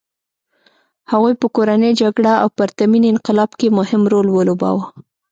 هغوی په کورنۍ جګړه او پرتمین انقلاب کې مهم رول ولوباوه.